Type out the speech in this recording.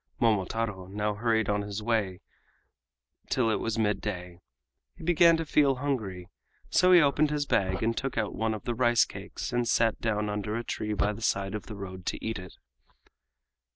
Momotaro now hurried on his way till it was midday. He began to feel hungry, so he opened his bag and took out one of the rice cakes and sat down under a tree by the side of the road to eat it.